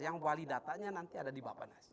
yang wali datanya nanti ada di bapak nas